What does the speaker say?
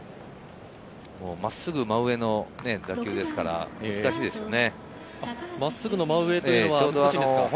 真っすぐ真上の打球ですから難しいですよね。